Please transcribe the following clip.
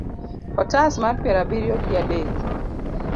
otas mar piero abiriyo gi adek